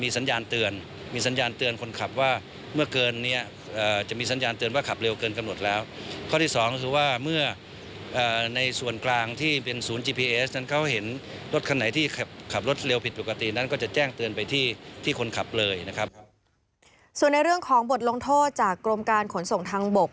ส่วนในเรื่องของบทลงโทษจากกรมการขนส่งทางบก